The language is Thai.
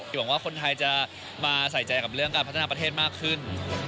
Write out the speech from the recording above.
หวังว่าคนไทยจะมาใส่ใจกับเรื่องการพัฒนาประเทศมากขึ้น